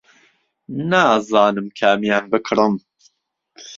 نازانم کامیان بکڕم.